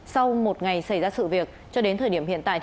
sau một ngày xảy ra sự việc cho đến thời điểm hiện tại